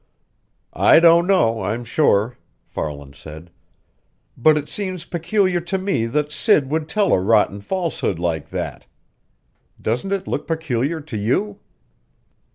"I don't know, I'm sure," Farland said. "But it seems peculiar to me that Sid would tell a rotten falsehood like that. Doesn't it look peculiar to you?"